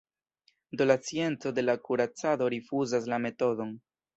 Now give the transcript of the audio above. Do la scienco de la kuracado rifuzas la metodon.